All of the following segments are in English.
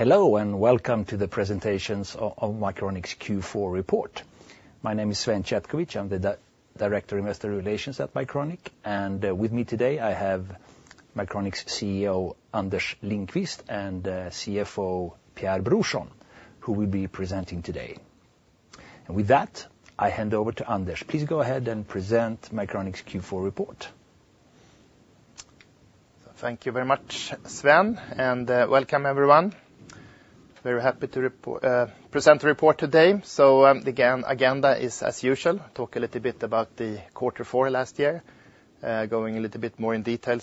Hello and welcome to the presentations of Mycronic's Q4 report. My name is Sven Chetkovich, I'm the Director of Investor Relations at Mycronic, and with me today I have Mycronic's CEO Anders Lindqvist and CFO Pierre Brorsson, who will be presenting today. And with that, I hand over to Anders. Please go ahead and present Mycronic's Q4 report. Thank you very much, Sven, and welcome everyone. Very happy to present the report today. So the agenda is as usual: talk a little bit about the Q4 last year, going a little bit more in detail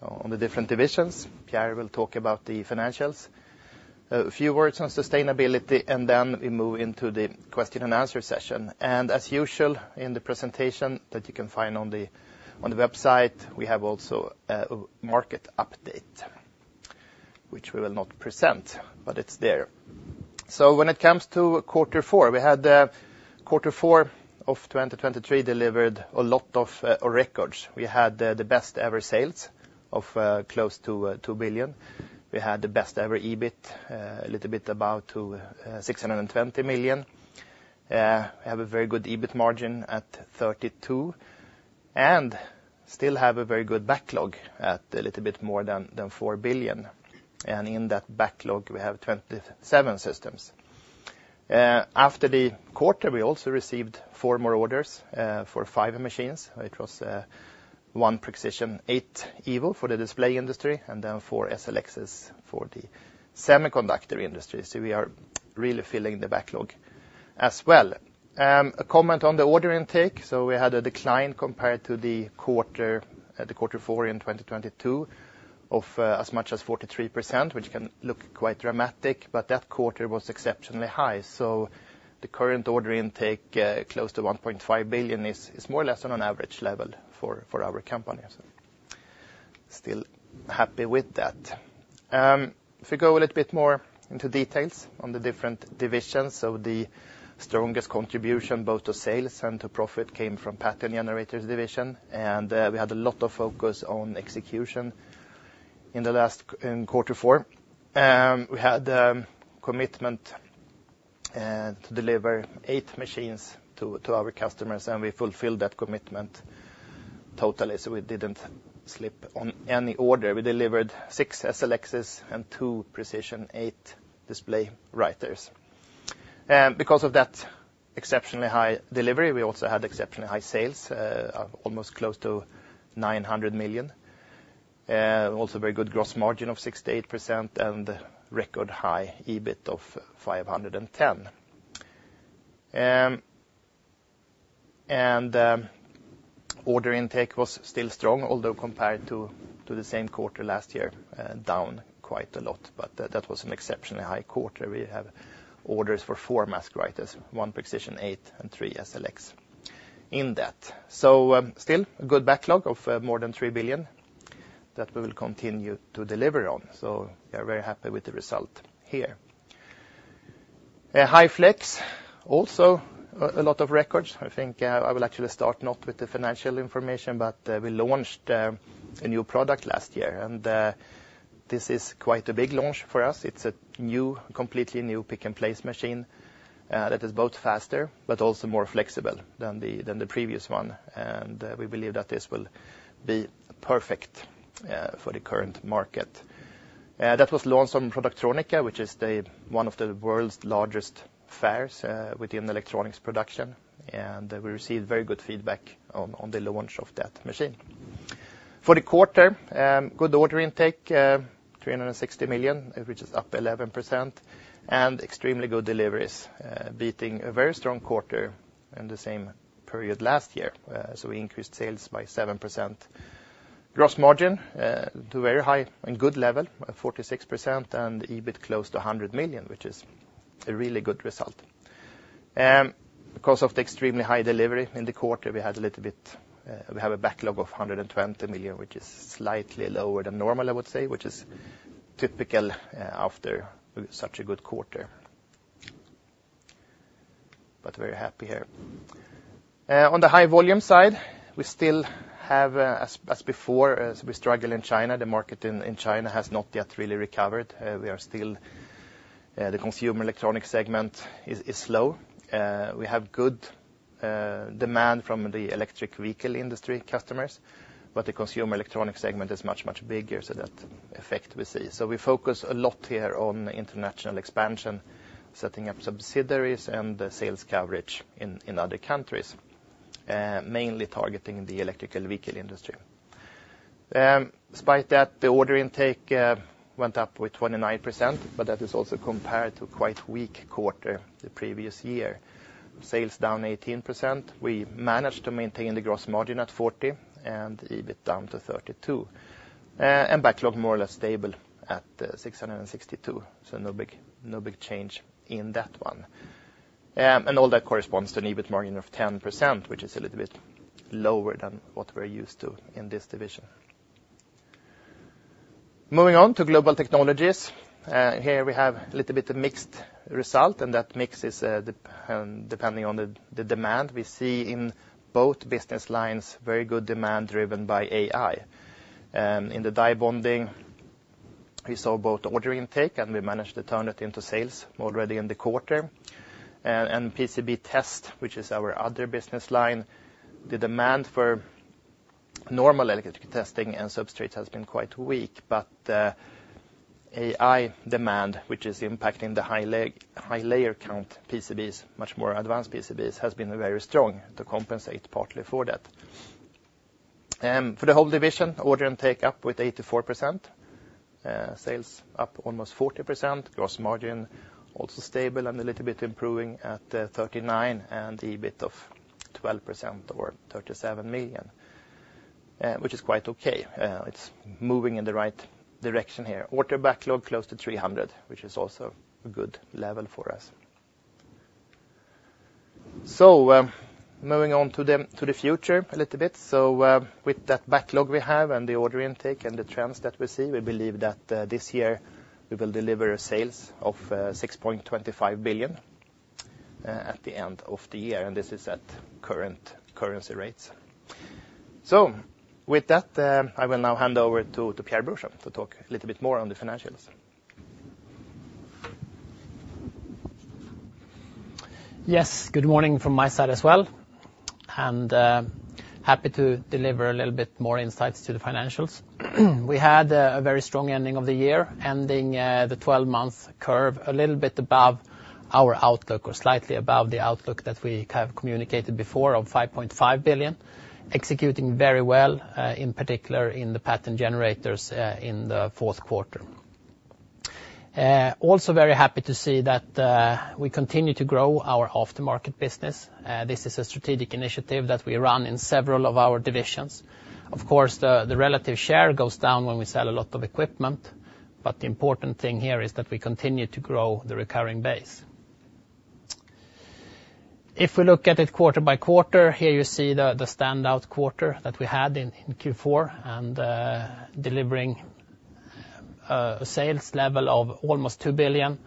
on the different divisions. Pierre will talk about the financials. A few words on sustainability, and then we move into the question and answer session. And as usual in the presentation that you can find on the website, we have also a market update, which we will not present, but it's there. So when it comes to Q4, we had Q4 of 2023 delivered a lot of records. We had the best ever sales of close to 2 billion. We had the best ever EBIT, a little bit about 620 million. We have a very good EBIT margin at 32% and still have a very good backlog at a little bit more than 4 billion. In that backlog, we have 27 systems. After the quarter, we also received four more orders for five machines, which was one Prexision 8 Evo for the display industry and then four SLXs for the semiconductor industry. We are really filling the backlog as well. A comment on the order intake. We had a decline compared to the Q4 in 2022 of as much as 43%, which can look quite dramatic, but that quarter was exceptionally high. The current order intake close to 1.5 billion is more or less on an average level for our company. Still happy with that. If we go a little bit more into details on the different divisions, so the strongest contribution both to sales and to profit came from Pattern Generators division, and we had a lot of focus on execution in the last Q4. We had a commitment to deliver eight machines to our customers, and we fulfilled that commitment totally, so we didn't slip on any order. We delivered six SLXs and two Prexision 8 display writers. Because of that exceptionally high delivery, we also had exceptionally high sales, almost close to 900 million. Also very good gross margin of 68% and record high EBIT of 510 million, and order intake was still strong, although compared to the same quarter last year, down quite a lot, but that was an exceptionally high quarter. We have orders for four mask writers, one Prexision 8, and three SLX in that. So still a good backlog of more than 3 billion that we will continue to deliver on, so we are very happy with the result here. High Flex, also a lot of records. I think I will actually start not with the financial information, but we launched a new product last year, and this is quite a big launch for us. It's a new, completely new pick and place machine that is both faster but also more flexible than the previous one, and we believe that this will be perfect for the current market. That was launched on Productronica, which is one of the world's largest fairs within electronics production, and we received very good feedback on the launch of that machine. For the quarter, good order intake, 360 million, which is up 11%, and extremely good deliveries, beating a very strong quarter in the same period last year. So we increased sales by 7%. Gross margin to very high and good level, 46%, and EBIT close to 100 million, which is a really good result. Because of the extremely high delivery in the quarter, we had a little bit, we have a backlog of 120 million, which is slightly lower than normal, I would say, which is typical after such a good quarter. But very happy here. On the High Volume side, we still have, as before, we struggle in China. The market in China has not yet really recovered. We are still, the consumer electronics segment is slow. We have good demand from the electric vehicle industry customers, but the consumer electronics segment is much, much bigger, so that effect we see. So we focus a lot here on international expansion, setting up subsidiaries and sales coverage in other countries, mainly targeting the electrical vehicle industry. Despite that, the order intake went up with 29%, but that is also compared to a quite weak quarter the previous year. Sales down 18%. We managed to maintain the gross margin at 40 and EBIT down to 32, and backlog more or less stable at 662, so no big change in that one, and all that corresponds to an EBIT margin of 10%, which is a little bit lower than what we're used to in this division. Moving on to Global Technologies, here we have a little bit of mixed result, and that mix is depending on the demand we see in both business lines, very good demand driven by AI. In the die bonding, we saw both order intake and we managed to turn it into sales already in the quarter. And PCB test, which is our other business line. The demand for normal electric testing and substrates has been quite weak, but AI demand, which is impacting the high layer count PCBs, much more advanced PCBs, has been very strong to compensate partly for that. For the whole division, order intake up with 84%, sales up almost 40%, gross margin also stable and a little bit improving at 39% and EBIT of 12% or 37 million, which is quite okay. It's moving in the right direction here. Order backlog close to 300, which is also a good level for us. So moving on to the future a little bit. So with that backlog we have and the order intake and the trends that we see, we believe that this year we will deliver sales of 6.25 billion at the end of the year, and this is at current currency rates. So with that, I will now hand over to Pierre Brorsson to talk a little bit more on the financials. Yes, good morning from my side as well, and happy to deliver a little bit more insights to the financials. We had a very strong ending of the year, ending the 12-month curve a little bit above our outlook or slightly above the outlook that we have communicated before of 5.5 billion, executing very well, in particular in the Pattern Generators in the fourth quarter. Also very happy to see that we continue to grow our aftermarket business. This is a strategic initiative that we run in several of our divisions. Of course, the relative share goes down when we sell a lot of equipment, but the important thing here is that we continue to grow the recurring base. If we look at it quarter by quarter, here you see the standout quarter that we had in Q4 and delivering a sales level of almost 2 billion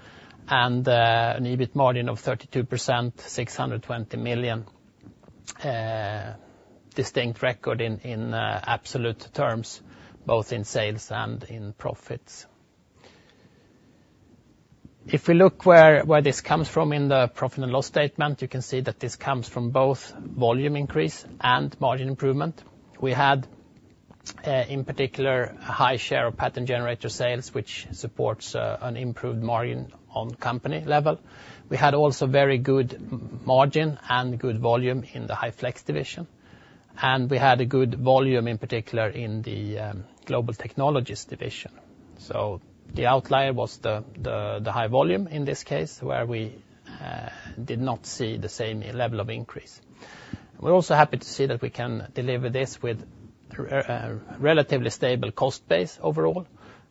and an EBIT margin of 32%, 620 million, distinct record in absolute terms, both in sales and in profits. If we look where this comes from in the profit and loss statement, you can see that this comes from both volume increase and margin improvement. We had, in particular, a high share of Pattern Generator sales, which supports an improved margin on company level. We had also very good margin and good volume in the High Flex division, and we had a good volume, in particular, in the Global Technologies division. So the outlier was the High Volume in this case, where we did not see the same level of increase. We're also happy to see that we can deliver this with a relatively stable cost base overall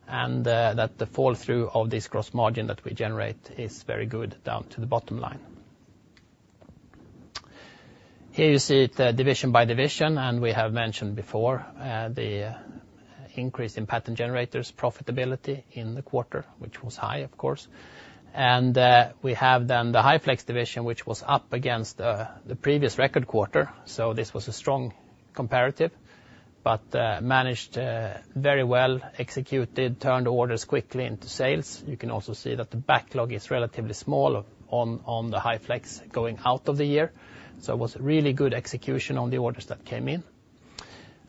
and that the fall through of this gross margin that we generate is very good down to the bottom line. Here you see the division by division, and we have mentioned before the increase in Pattern Generators profitability in the quarter, which was high, of course, and we have then the High Flex division, which was up against the previous record quarter, so this was a strong comparative, but managed very well, executed, turned orders quickly into sales. You can also see that the backlog is relatively small on the High Flex going out of the year, so it was really good execution on the orders that came in.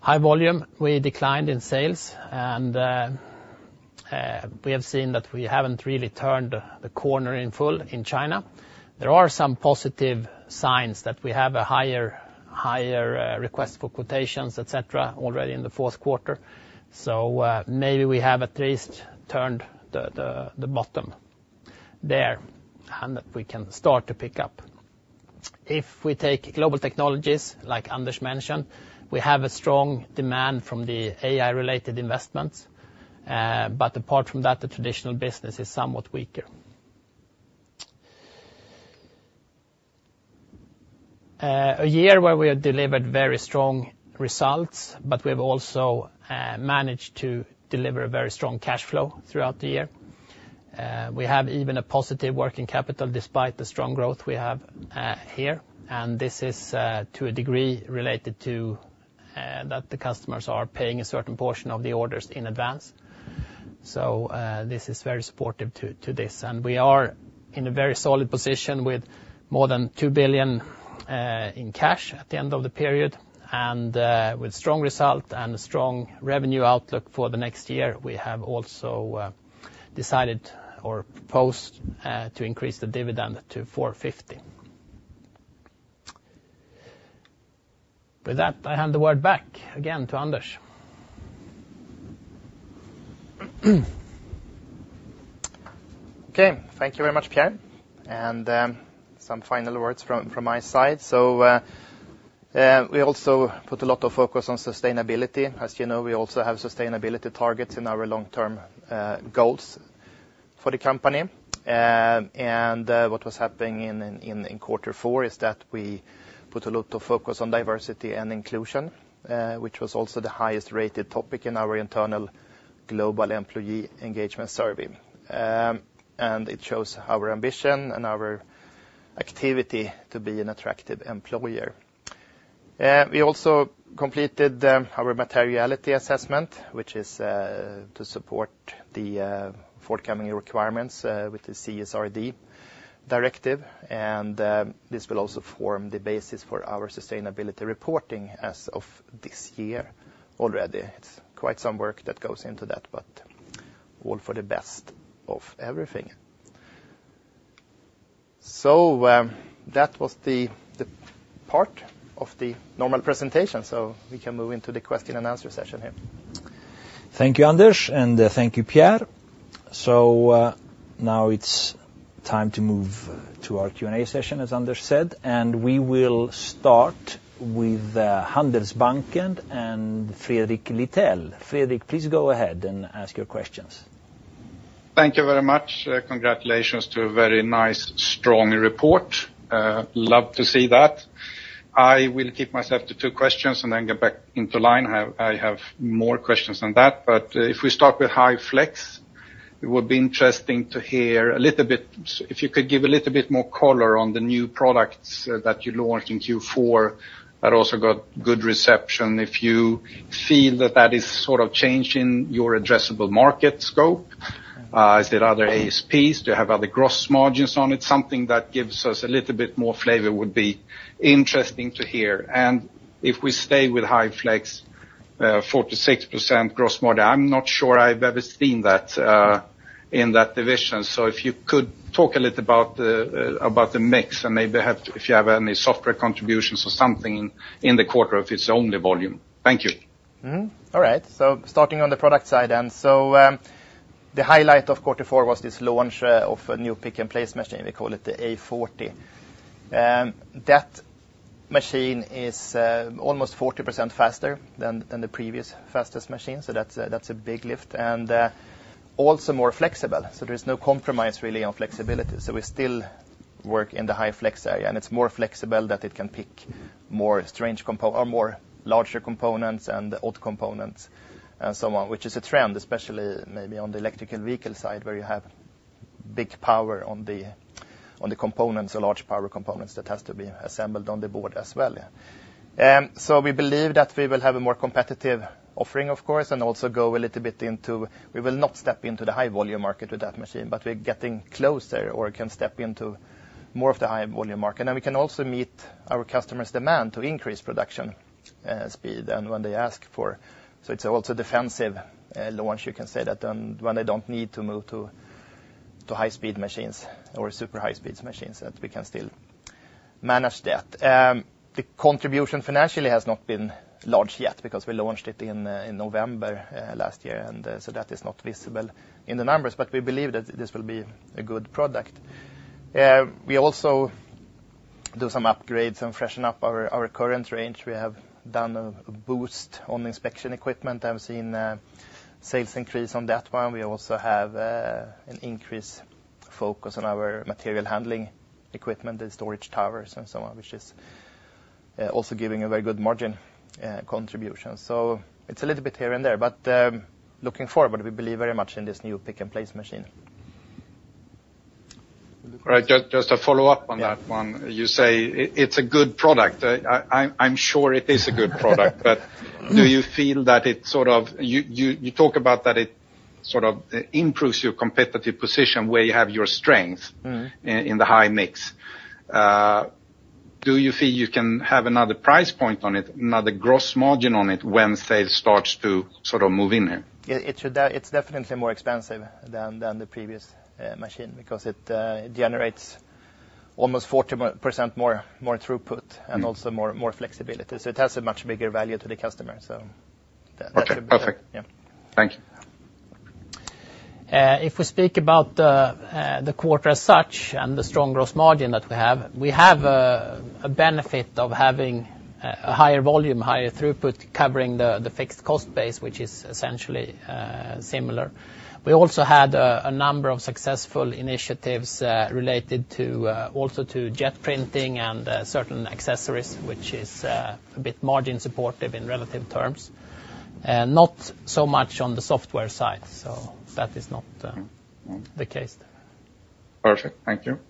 High Volume, we declined in sales, and we have seen that we haven't really turned the corner in full in China. There are some positive signs that we have a higher request for quotations, etc., already in the fourth quarter, so maybe we have at least turned the bottom there and that we can start to pick up. If we take Global Technologies, like Anders mentioned, we have a strong demand from the AI-related investments, but apart from that, the traditional business is somewhat weaker. A year where we have delivered very strong results, but we have also managed to deliver a very strong cash flow throughout the year. We have even a positive working capital despite the strong growth we have here, and this is to a degree related to that the customers are paying a certain portion of the orders in advance. So this is very supportive to this, and we are in a very solid position with more than 2 billion in cash at the end of the period, and with strong result and a strong revenue outlook for the next year, we have also decided or proposed to increase the dividend to 4.50. With that, I hand the word back again to Anders. Okay, thank you very much, Pierre, and some final words from my side. So we also put a lot of focus on sustainability. As you know, we also have sustainability targets in our long-term goals for the company. And what was happening in quarter four is that we put a lot of focus on diversity and inclusion, which was also the highest-rated topic in our internal global employee engagement survey. And it shows our ambition and our activity to be an attractive employer. We also completed our materiality assessment, which is to support the forthcoming requirements with the CSRD directive, and this will also form the basis for our sustainability reporting as of this year already. It's quite some work that goes into that, but all for the best of everything. So that was the part of the normal presentation, so we can move into the question and answer session here. Thank you, Anders, and thank you, Pierre. So now it's time to move to our Q&A session, as Anders said, and we will start with Handelsbanken and Fredrik Lithell. Fredrik, please go ahead and ask your questions. Thank you very much. Congratulations to a very nice, strong report. Love to see that. I will keep myself to two questions and then get back into line. I have more questions than that, but if we start with High Flex, it would be interesting to hear a little bit, if you could give a little bit more color on the new products that you launched in Q4 that also got good reception. If you feel that that is sort of changing your addressable market scope, is it other ASPs? Do you have other gross margins on it? Something that gives us a little bit more flavor would be interesting to hear. And if we stay with High Flex, 46% gross margin, I'm not sure I've ever seen that in that division. So if you could talk a little about the mix and maybe if you have any software contributions or something in the quarter if it's only volume? Thank you. All right, so starting on the product side then, so the highlight of quarter four was this launch of a new pick and place machine. We call it the A40. That machine is almost 40% faster than the previous fastest machine, so that's a big lift and also more flexible. So there is no compromise really on flexibility. So we still work in the High Flex area, and it's more flexible that it can pick more strange components or more larger components and odd components and so on, which is a trend, especially maybe on the electric vehicle side where you have big power on the components or large power components that has to be assembled on the board as well. So we believe that we will have a more competitive offering, of course, and also go a little bit into, we will not step into the high volume market with that machine, but we're getting closer or can step into more of the high volume market, and we can also meet our customers' demand to increase production speed and when they ask for, so it's also defensive launch, you can say that, and when they don't need to move to high-speed machines or super high-speed machines, that we can still manage that. The contribution financially has not been large yet because we launched it in November last year, and so that is not visible in the numbers, but we believe that this will be a good product. We also do some upgrades and freshen up our current range. We have done a boost on inspection equipment, have seen sales increase on that one. We also have an increased focus on our material handling equipment, the storage towers and so on, which is also giving a very good margin contribution. So it's a little bit here and there, but looking forward, we believe very much in this new pick and place machine. All right, just a follow-up on that one. You say it's a good product. I'm sure it is a good product, but do you feel that it sort of, you talk about that it sort of improves your competitive position where you have your strength in the high mix? Do you feel you can have another price point on it, another gross margin on it when sales starts to sort of move in here? It's definitely more expensive than the previous machine because it generates almost 40% more throughput and also more flexibility. So it has a much bigger value to the customer. Perfect. Thank you. If we speak about the quarter as such and the strong gross margin that we have, we have a benefit of having a higher volume, higher throughput covering the fixed cost base, which is essentially similar. We also had a number of successful initiatives related to also jet printing and certain accessories, which is a bit margin supportive in relative terms, not so much on the software side, so that is not the case. Perfect, thank you.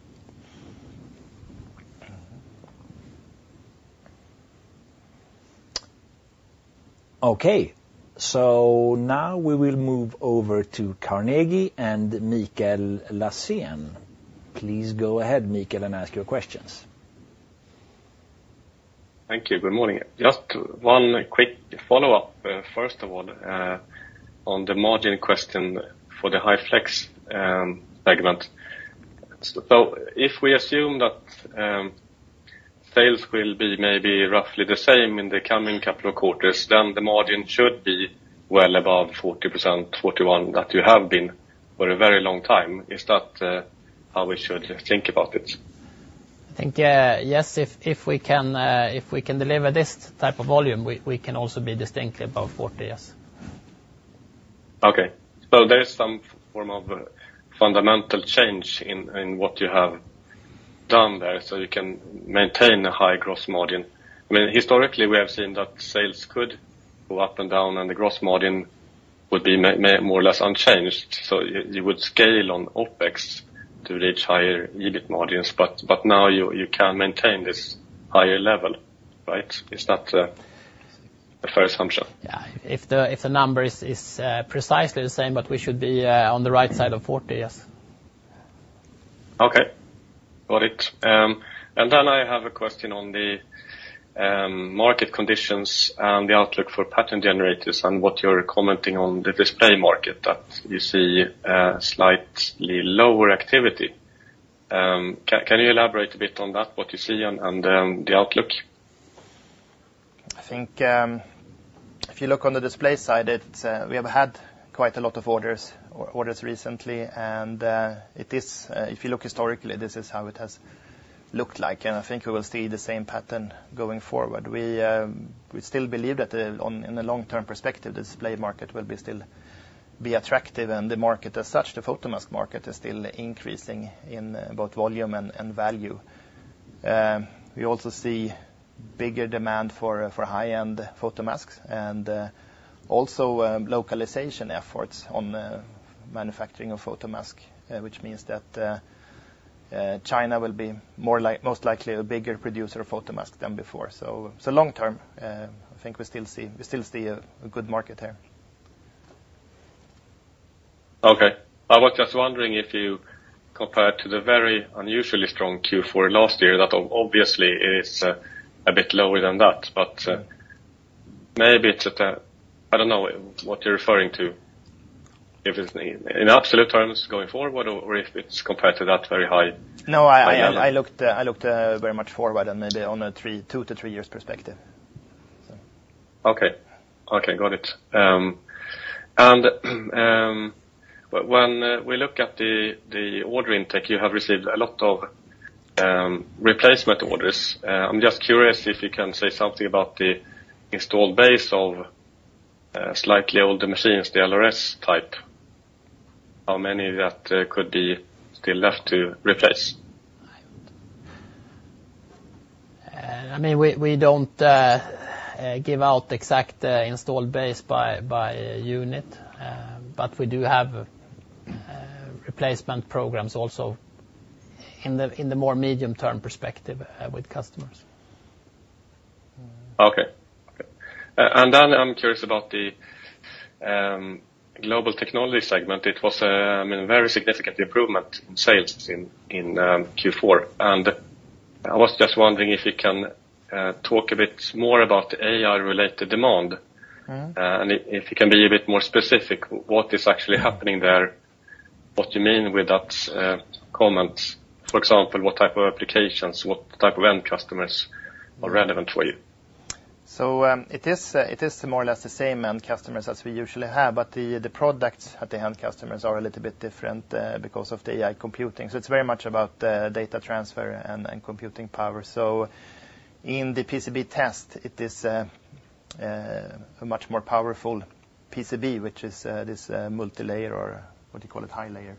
Okay, so now we will move over to Carnegie and Mikael Laséen. Please go ahead, Mikael, and ask your questions. Thank you, good morning. Just one quick follow-up, first of all, on the margin question for the High Flex segment. So if we assume that sales will be maybe roughly the same in the coming couple of quarters, then the margin should be well above 40%, 41% that you have been for a very long time. Is that how we should think about it? I think yes, if we can deliver this type of volume, we can also be distinctly above 40, yes. Okay, so there's some form of fundamental change in what you have done there so you can maintain a high gross margin. I mean, historically, we have seen that sales could go up and down and the gross margin would be more or less unchanged. So you would scale on OPEX to reach higher EBIT margins, but now you can maintain this higher level, right? Is that a fair assumption? Yeah, if the number is precisely the same, but we should be on the right side of 40, yes. Okay, got it. And then I have a question on the market conditions and the outlook for Pattern Generators and what you're commenting on the display market that you see slightly lower activity. Can you elaborate a bit on that, what you see and the outlook? I think if you look on the display side, we have had quite a lot of orders recently, and it is, if you look historically, this is how it has looked like, and I think we will see the same pattern going forward. We still believe that in the long-term perspective, the display market will still be attractive, and the market as such, the photomask market, is still increasing in both volume and value. We also see bigger demand for high-end photomasks and also localization efforts on manufacturing of photomask, which means that China will be most likely a bigger producer of photomask than before. So long-term, I think we still see a good market here. Okay, I was just wondering if you compared to the very unusually strong Q4 last year that obviously it is a bit lower than that, but maybe it's a. I don't know what you're referring to, if it's in absolute terms going forward or if it's compared to that very high. No, I looked very much forward and maybe on a two-to-three years perspective. Okay, okay, got it. And when we look at the order intake, you have received a lot of replacement orders. I'm just curious if you can say something about the installed base of slightly older machines, the LRS type, how many that could be still left to replace? I mean, we don't give out exact installed base by unit, but we do have replacement programs also in the more medium-term perspective with customers. Okay, okay, and then I'm curious about the Global Technologies segment. It was a very significant improvement in sales in Q4, and I was just wondering if you can talk a bit more about the AI-related demand and if you can be a bit more specific, what is actually happening there, what you mean with that comment, for example, what type of applications, what type of end customers are relevant for you? So it is more or less the same end customers as we usually have, but the products at the end customers are a little bit different because of the AI computing. So it's very much about data transfer and computing power. So in the PCB test, it is a much more powerful PCB, which is this multi-layer or what you call it, high-layer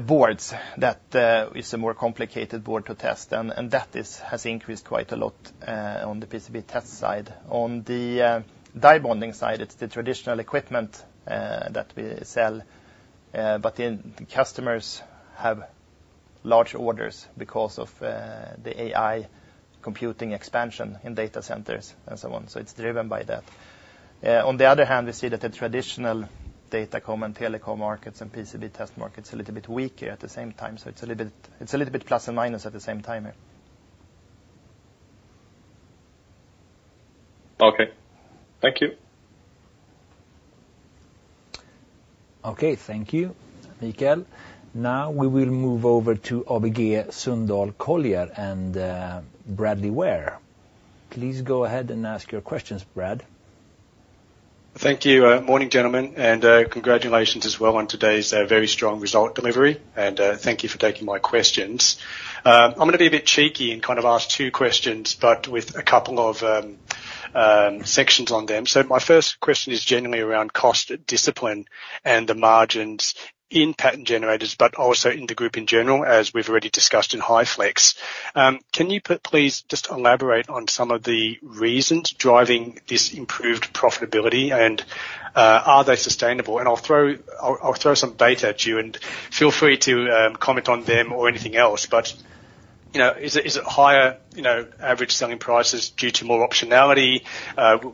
boards that is a more complicated board to test, and that has increased quite a lot on the PCB test side. On the die bonding side, it's the traditional equipment that we sell, but the customers have large orders because of the AI computing expansion in data centers and so on. So it's driven by that. On the other hand, we see that the traditional datacom telecom markets and PCB test markets are a little bit weaker at the same time. So it's a little bit plus and minus at the same time here. Okay, thank you. Okay, thank you, Mikael. Now we will move over to ABG Sundal Collier, and Bradley Ware. Please go ahead and ask your questions, Brad. Thank you, morning gentlemen, and congratulations as well on today's very strong result delivery, and thank you for taking my questions. I'm going to be a bit cheeky and kind of ask two questions, but with a couple of sections on them, so my first question is generally around cost discipline and the margins in Pattern Generators, but also in the group in general, as we've already discussed in High Flex. Can you please just elaborate on some of the reasons driving this improved profitability, and are they sustainable, and I'll throw some bait at you, and feel free to comment on them or anything else, but is it higher average selling prices due to more optionality?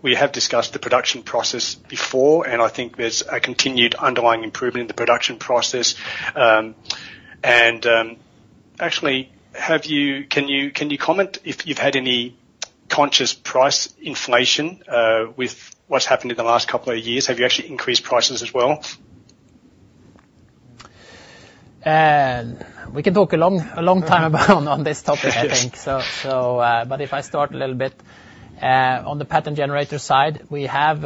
We have discussed the production process before, and I think there's a continued underlying improvement in the production process. Actually, can you comment if you've had any conscious price inflation with what's happened in the last couple of years? Have you actually increased prices as well? We can talk a long time about on this topic, I think. But if I start a little bit on the Pattern Generators side, we have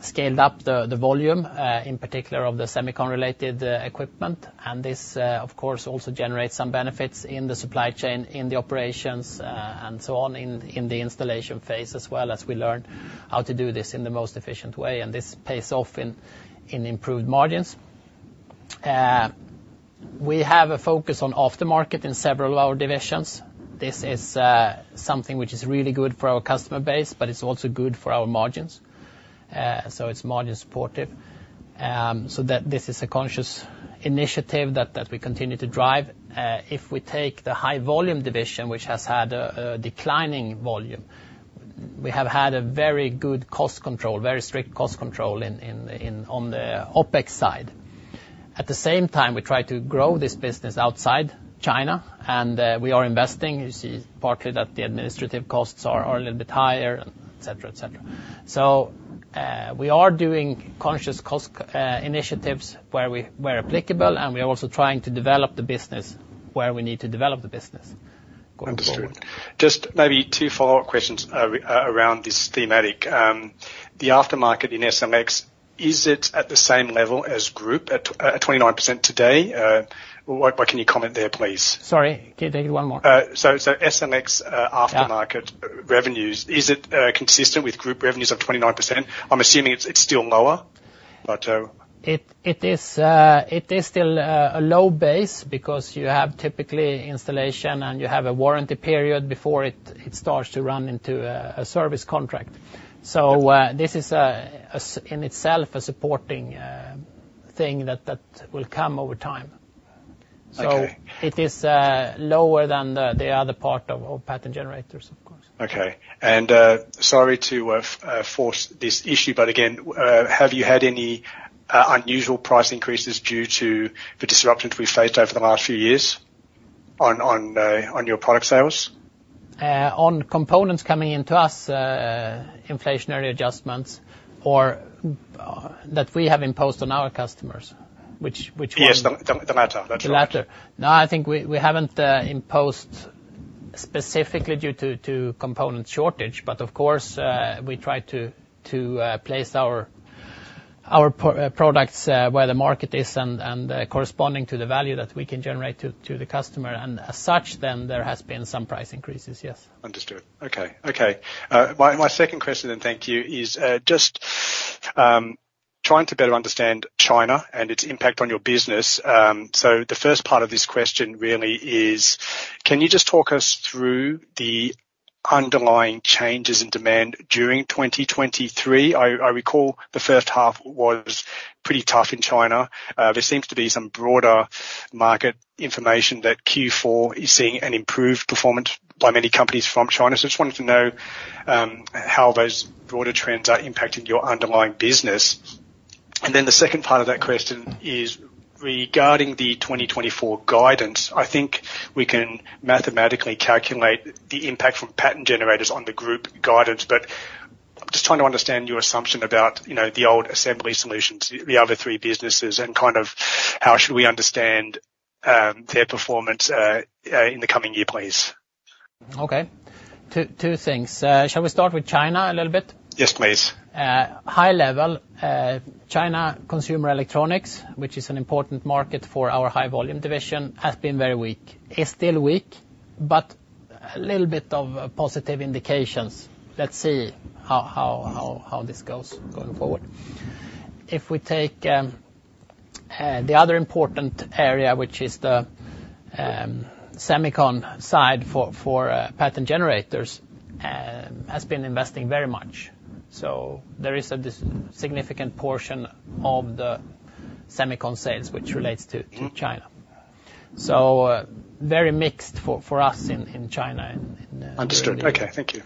scaled up the volume, in particular of the semiconductor-related equipment, and this, of course, also generates some benefits in the supply chain, in the operations, and so on in the installation phase as well, as we learn how to do this in the most efficient way, and this pays off in improved margins. We have a focus on aftermarket in several of our divisions. This is something which is really good for our customer base, but it's also good for our margins. So it's margin supportive. So this is a conscious initiative that we continue to drive. If we take the High Volume division, which has had a declining volume, we have had a very good cost control, very strict cost control on the OpEx side. At the same time, we try to grow this business outside China, and we are investing. You see partly that the administrative costs are a little bit higher, etc., etc., so we are doing conscious cost initiatives where applicable, and we are also trying to develop the business where we need to develop the business. Just maybe two follow-up questions around this thematic. The aftermarket in SMX, is it at the same level as group at 29% today? What can you comment there, please? Sorry, can you take it one more? SLX aftermarket revenues, is it consistent with group revenues of 29%? I'm assuming it's still lower, but. It is still a low base because you have typically installation and you have a warranty period before it starts to run into a service contract. So this is in itself a supporting thing that will come over time. So it is lower than the other part of Pattern Generators, of course. Okay, and sorry to force this issue, but again, have you had any unusual price increases due to the disruptions we've faced over the last few years on your product sales? On components coming into us, inflationary adjustments that we have imposed on our customers, which. Yes, the latter, that's right. The latter. No, I think we haven't imposed specifically due to component shortage, but of course, we try to place our products where the market is and corresponding to the value that we can generate to the customer. And as such, then there has been some price increases, yes. Understood. Okay, okay. My second question then, thank you, is just trying to better understand China and its impact on your business. So the first part of this question really is, can you just talk us through the underlying changes in demand during 2023? I recall the first half was pretty tough in China. There seems to be some broader market information that Q4 is seeing an improved performance by many companies from China. So I just wanted to know how those broader trends are impacting your underlying business. And then the second part of that question is regarding the 2024 guidance. I think we can mathematically calculate the impact from Pattern Generators on the group guidance, but I'm just trying to understand your assumption about the old assembly solutions, the other three businesses, and kind of how should we understand their performance in the coming year, please? Okay, two things. Shall we start with China a little bit? Yes, please. High level, China consumer electronics, which is an important market for our High Volume division, has been very weak. It's still weak, but a little bit of positive indications. Let's see how this goes going forward. If we take the other important area, which is the semiconductor side for Pattern Generators, has been investing very much. So there is a significant portion of the semiconductor sales which relates to China. So very mixed for us in China. Understood. Okay, thank you.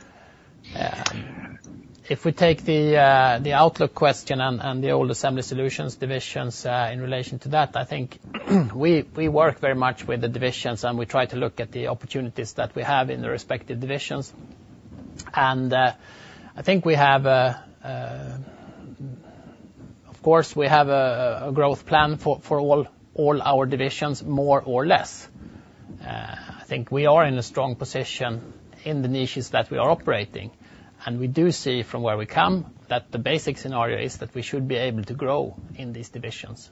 If we take the outlook question and the old assembly solutions divisions in relation to that, I think we work very much with the divisions and we try to look at the opportunities that we have in the respective divisions. And I think we have, of course, we have a growth plan for all our divisions, more or less. I think we are in a strong position in the niches that we are operating, and we do see from where we come that the basic scenario is that we should be able to grow in these divisions.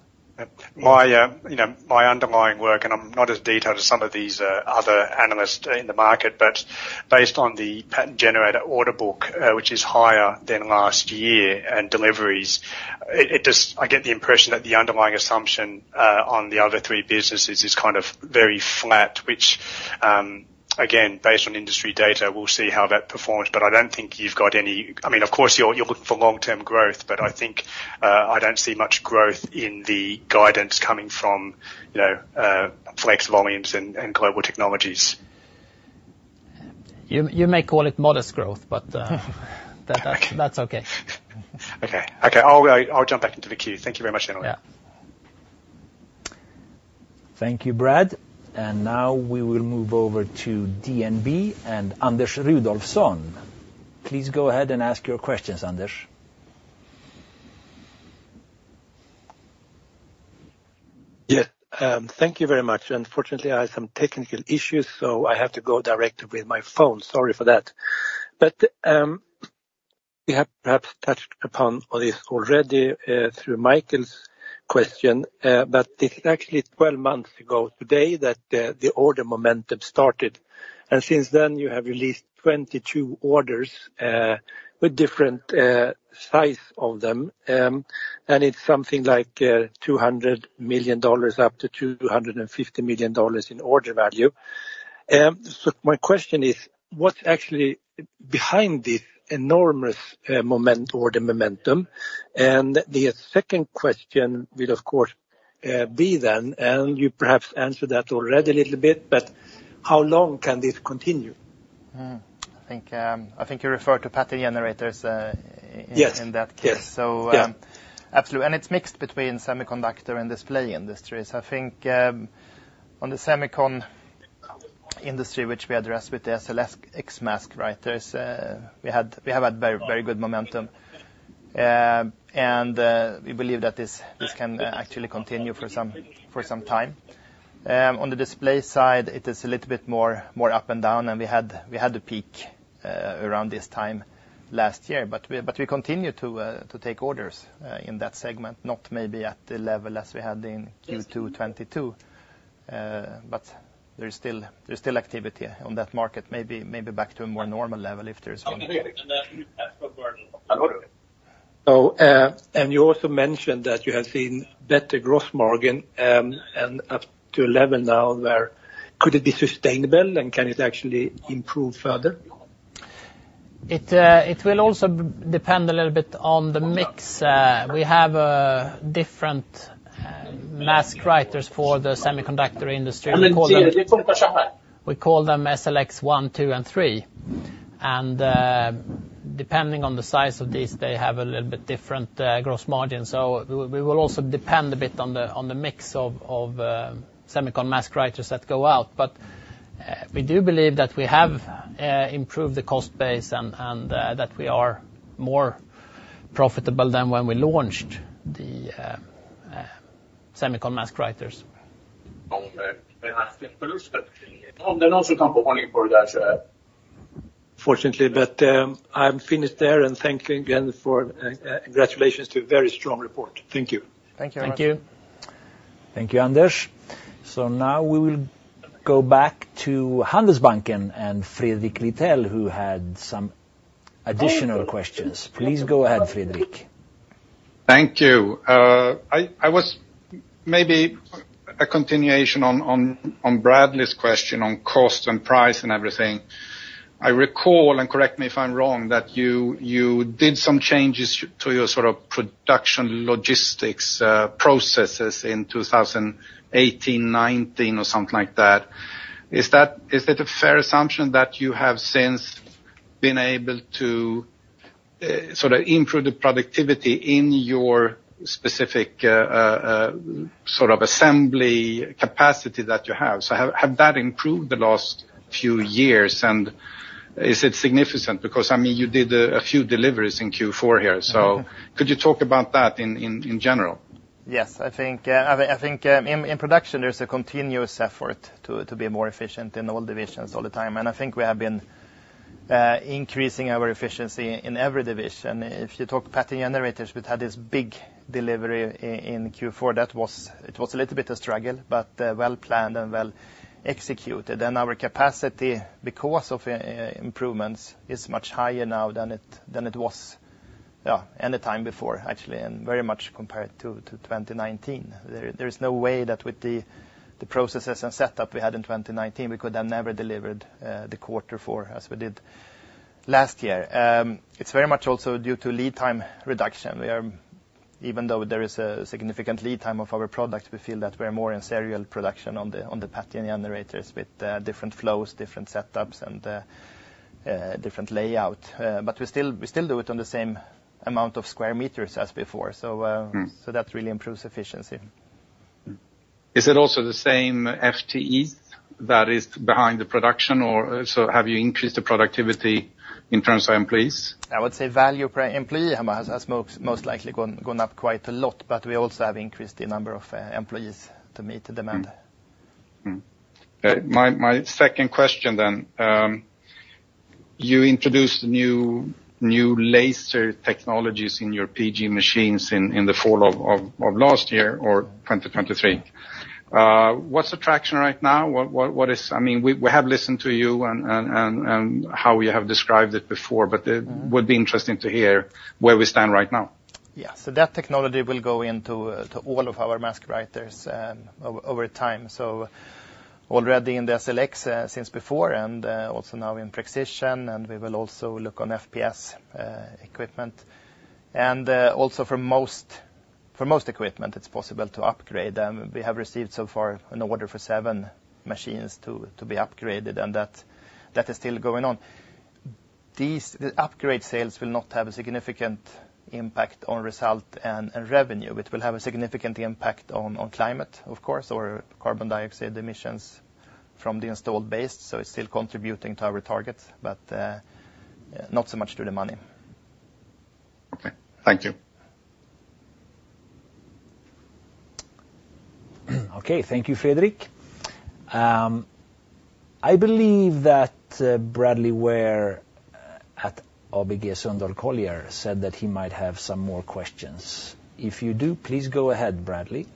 My underlying work, and I'm not as detailed as some of these other analysts in the market, but based on the Pattern Generators order book, which is higher than last year and deliveries, I get the impression that the underlying assumption on the other three businesses is kind of very flat, which, again, based on industry data, we'll see how that performs. But I don't think you've got any, I mean, of course, you're looking for long-term growth, but I think I don't see much growth in the guidance coming from flex volumes and Global Technologies. You may call it modest growth, but that's okay. Okay, okay. I'll jump back into the queue. Thank you very much, gentlemen. Thank you, Brad. And now we will move over to DNB and Anders Rudolfsson. Please go ahead and ask your questions, Anders. Yes, thank you very much. Unfortunately, I have some technical issues, so I have to go directly with my phone. Sorry for that, but we have perhaps touched upon this already through Michael's question, but this is actually 12 months ago today that the order momentum started, and since then, you have released 22 orders with different sizes of them, and it's something like $200 million-$250 million in order value, so my question is, what's actually behind this enormous order momentum, and the second question will, of course, be then, and you perhaps answered that already a little bit, but how long can this continue? I think you referred to Pattern Generators in that case. So, absolutely, and it's mixed between semiconductor and display industries. I think on the semiconductor industry, which we addressed with the SLX mask writers, we have had very good momentum, and we believe that this can actually continue for some time. On the display side, it is a little bit more up and down, and we had a peak around this time last year, but we continue to take orders in that segment, not maybe at the level as we had in Q2 2022, but there's still activity on that market, maybe back to a more normal level if there's more. You also mentioned that you have seen better gross margin and up to 11 now. Could it be sustainable, and can it actually improve further? It will also depend a little bit on the mix. We have different Mask Writers for the semiconductor industry. We call them SLX 1, SLX 2, and SLX 3. And depending on the size of these, they have a little bit different gross margin. So we will also depend a bit on the mix of semiconductor Mask Writers that go out. But we do believe that we have improved the cost base and that we are more profitable than when we launched the semiconductor Mask Writers. Unfortunately, but I'm finished there, and thank you again for congratulations to a very strong report. Thank you. Thank you. Thank you, Anders. So now we will go back to Handelsbanken and Fredrik Lithell, who had some additional questions. Please go ahead, Fredrik. Thank you. I was maybe a continuation on Bradley's question on cost and price and everything. I recall, and correct me if I'm wrong, that you did some changes to your sort of production logistics processes in 2018, 2019, or something like that. Is it a fair assumption that you have since been able to sort of improve the productivity in your specific sort of assembly capacity that you have? So have that improved the last few years, and is it significant? Because, I mean, you did a few deliveries in Q4 here. So could you talk about that in general? Yes, I think in production, there's a continuous effort to be more efficient in all divisions all the time. And I think we have been increasing our efficiency in every division. If you talk Pattern Generators, we've had this big delivery in Q4. It was a little bit of a struggle, but well planned and well executed. And our capacity because of improvements is much higher now than it was any time before, actually, and very much compared to 2019. There is no way that with the processes and setup we had in 2019, we could have never delivered the quarter four as we did last year. It's very much also due to lead time reduction. Even though there is a significant lead time of our product, we feel that we're more in serial production on the Pattern Generators with different flows, different setups, and different layout. But we still do it on the same amount of square meters as before. So that really improves efficiency. Is it also the same FTE that is behind the production? So have you increased the productivity in terms of employees? I would say value per employee has most likely gone up quite a lot, but we also have increased the number of employees to meet the demand. My second question then, you introduced new laser technologies in your PG machines in the fall of last year or 2023. What's the traction right now? I mean, we have listened to you and how you have described it before, but it would be interesting to hear where we stand right now. Yeah, so that technology will go into all of our mask writers over time. So already in the SLX since before and also now in Prexision, and we will also look on FPS equipment. And also for most equipment, it's possible to upgrade. We have received so far an order for seven machines to be upgraded, and that is still going on. These upgrade sales will not have a significant impact on result and revenue. It will have a significant impact on climate, of course, or carbon dioxide emissions from the installed base. So it's still contributing to our targets, but not so much to the money. Okay, thank you. Okay, thank you, Fredrik. I believe that Bradley Wehr at ABG Sundal Collier said that he might have some more questions. If you do, please go ahead, Bradley.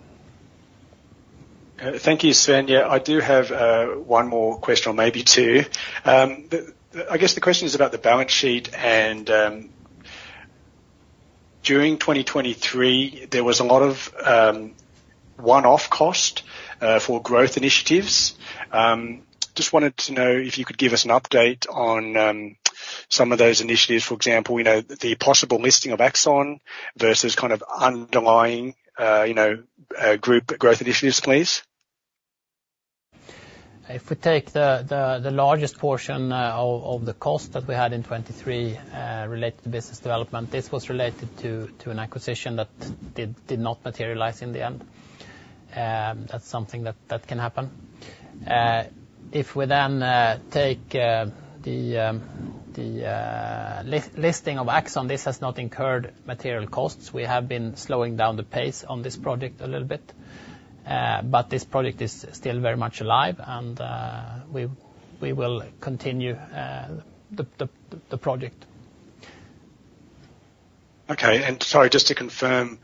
Thank you, Sven. I do have one more question or maybe two. I guess the question is about the balance sheet, and during 2023, there was a lot of one-off cost for growth initiatives. Just wanted to know if you could give us an update on some of those initiatives. For example, the possible listing of Axxon versus kind of underlying group growth initiatives, please. If we take the largest portion of the cost that we had in 2023 related to business development, this was related to an acquisition that did not materialize in the end. That's something that can happen. If we then take the listing of Axxon, this has not incurred material costs. We have been slowing down the pace on this project a little bit, but this project is still very much alive, and we will continue the project. Okay, and sorry, just to confirm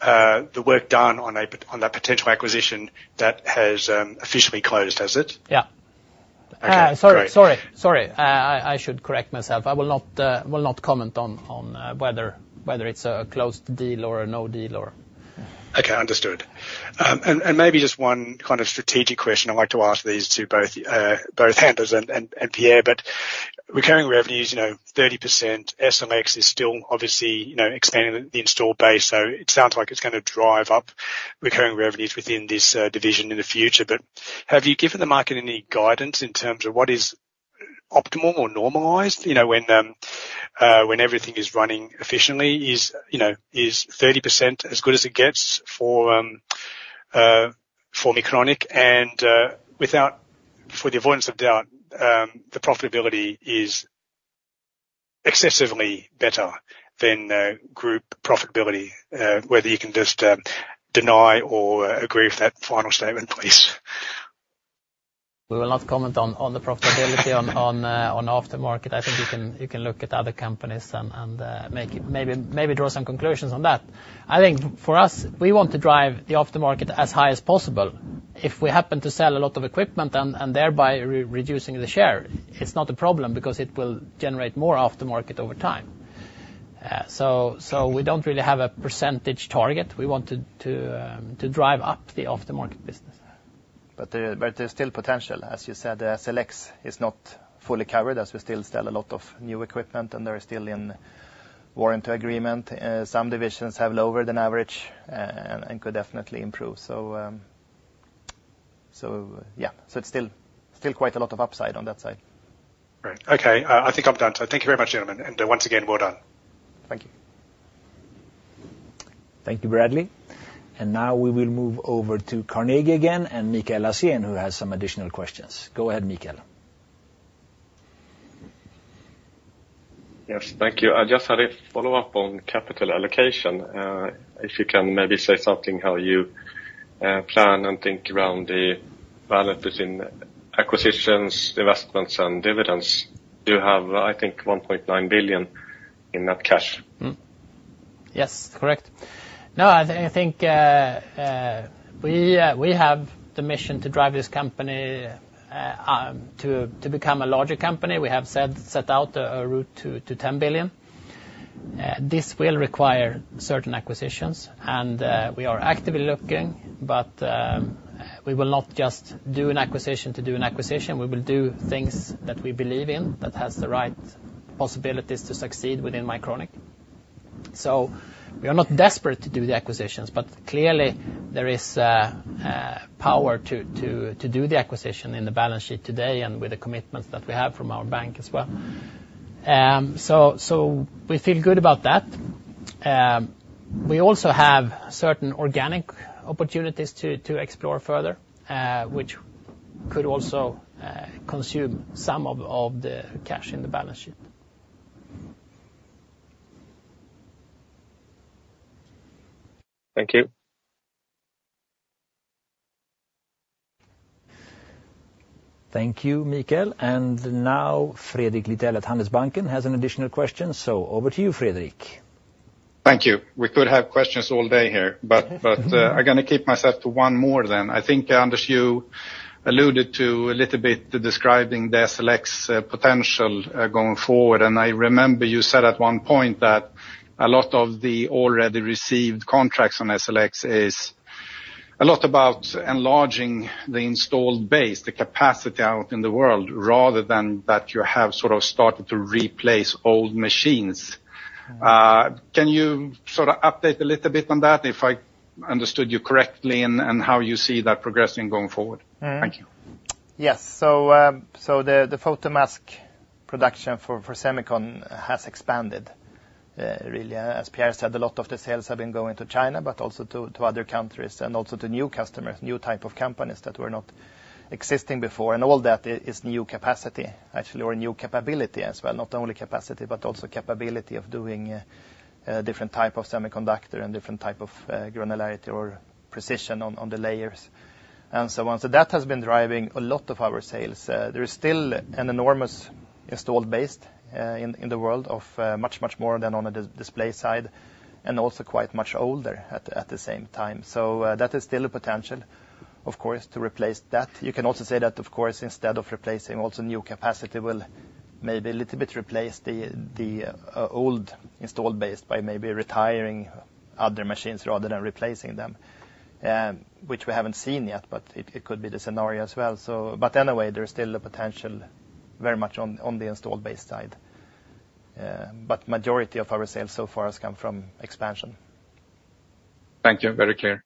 the work done on that potential acquisition that has officially closed, has it? Yeah. Sorry, sorry, sorry. I should correct myself. I will not comment on whether it's a closed deal or a no deal. Okay, understood. And maybe just one kind of strategic question I'd like to ask this to both Handels and Pierre, but recurring revenues, 30% SLX is still obviously expanding the installed base. So it sounds like it's going to drive up recurring revenues within this division in the future. But have you given the market any guidance in terms of what is optimal or normalized when everything is running efficiently? Is 30% as good as it gets for Mycronic? And, for the avoidance of doubt, the profitability is excessively better than group profitability. Whether you can just deny or agree with that final statement, please. We will not comment on the profitability on aftermarket. I think you can look at other companies and maybe draw some conclusions on that. I think for us, we want to drive the aftermarket as high as possible. If we happen to sell a lot of equipment and thereby reducing the share, it's not a problem because it will generate more aftermarket over time. So we don't really have a percentage target. We want to drive up the aftermarket business. But there's still potential, as you said. SLX is not fully covered as we still sell a lot of new equipment, and they're still in warranty agreement. Some divisions have lower than average and could definitely improve. So yeah, so it's still quite a lot of upside on that side. Right, okay. I think I'm done, so thank you very much, gentlemen, and once again, well done. Thank you. Thank you, Bradley. And now we will move over to Carnegie again and Mikael Laséen, who has some additional questions. Go ahead, Michael. Yes, thank you. I just had a follow-up on capital allocation. If you can maybe say something how you plan and think around the value between acquisitions, investments, and dividends. You have, I think, 1.9 billion in net cash. Yes, correct. No, I think we have the mission to drive this company to become a larger company. We have set out a route to 10 billion. This will require certain acquisitions, and we are actively looking, but we will not just do an acquisition to do an acquisition. We will do things that we believe in, that has the right possibilities to succeed within Mycronic, so we are not desperate to do the acquisitions, but clearly there is power to do the acquisition in the balance sheet today and with the commitments that we have from our bank as well, so we feel good about that. We also have certain organic opportunities to explore further, which could also consume some of the cash in the balance sheet. Thank you. Thank you, Michael. And now Fredrik Littell at Handelsbanken has an additional question. So over to you, Fredrik. Thank you. We could have questions all day here, but I'm going to keep myself to one more then. I think, Anders, you alluded to a little bit describing the SLX potential going forward, and I remember you said at one point that a lot of the already received contracts on SLX is a lot about enlarging the installed base, the capacity out in the world, rather than that you have sort of started to replace old machines. Can you sort of update a little bit on that, if I understood you correctly, and how you see that progressing going forward? Thank you. Yes, so the photomask production for semicon has expanded, really. As Pierre said, a lot of the sales have been going to China, but also to other countries and also to new customers, new type of companies that were not existing before. And all that is new capacity, actually, or new capability as well. Not only capacity, but also capability of doing different types of semiconductor and different types of granularity or precision on the layers and so on. So that has been driving a lot of our sales. There is still an enormous installed base in the world of much, much more than on the display side and also quite much older at the same time. So that is still a potential, of course, to replace that. You can also say that, of course, instead of replacing, also new capacity will maybe a little bit replace the old installed base by maybe retiring other machines rather than replacing them, which we haven't seen yet, but it could be the scenario as well. But anyway, there is still a potential very much on the installed base side. But the majority of our sales so far has come from expansion. Thank you. Very clear.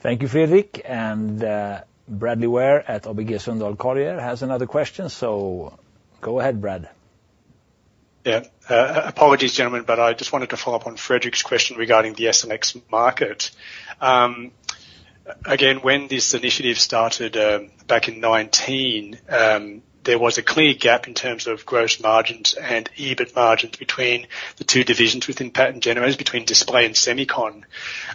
Thank you, Fredrik. And Bradley Wehr at ABG Sundal Collier has another question. So go ahead, Brad. Yeah, apologies, gentlemen, but I just wanted to follow up on Fredrik's question regarding the SLX market. Again, when this initiative started back in 2019, there was a clear gap in terms of gross margins and EBIT margins between the two divisions within Pattern Generators, between display and Semicon.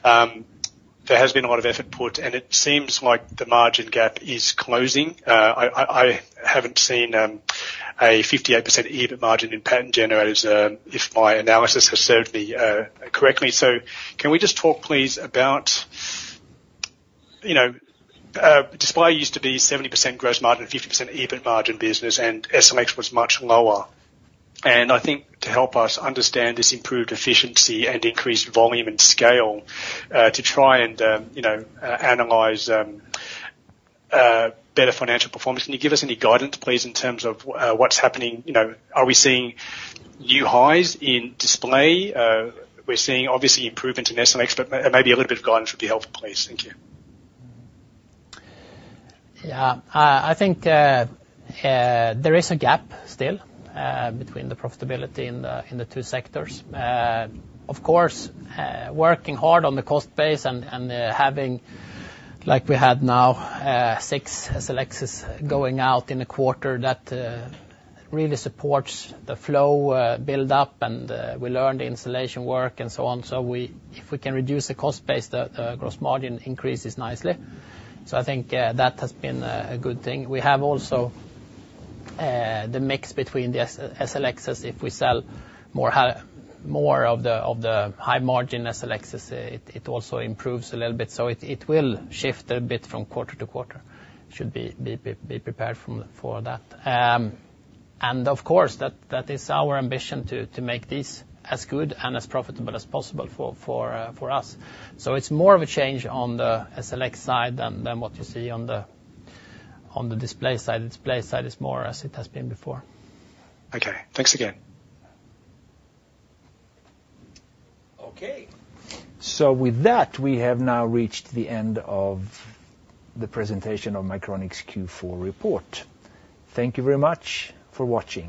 There has been a lot of effort put, and it seems like the margin gap is closing. I haven't seen a 58% EBIT margin in Pattern Generators, if my analysis has served me correctly. So can we just talk, please, about display used to be 70% gross margin, 50% EBIT margin business, and SLX was much lower. And I think to help us understand this improved efficiency and increased volume and scale, to try and analyze better financial performance, can you give us any guidance, please, in terms of what's happening? Are we seeing new highs in display? We're seeing obviously improvement in SLX, but maybe a little bit of guidance would be helpful, please. Thank you. Yeah, I think there is a gap still between the profitability in the two sectors. Of course, working hard on the cost base and having, like we had now, six SLXs going out in a quarter that really supports the flow build-up, and we learned the installation work and so on. So if we can reduce the cost base, the gross margin increases nicely. So I think that has been a good thing. We have also the mix between the SLXs. If we sell more of the high-margin SLXs, it also improves a little bit. So it will shift a bit from quarter to quarter. Should be prepared for that. And of course, that is our ambition to make these as good and as profitable as possible for us. So it's more of a change on the SLX side than what you see on the display side. The display side is more as it has been before. Okay, thanks again. Okay. So with that, we have now reached the end of the presentation of Mycronic's Q4 report. Thank you very much for watching.